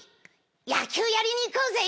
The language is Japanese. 野球やりに行こうぜい！」。